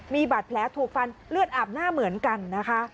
มีบาดแผลถูกฟันเลือดอาบหน้าเหมือนกันนะคะ